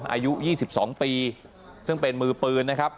อายุยี่สิบสองปีซึ่งเป็นมือปืนนะครับ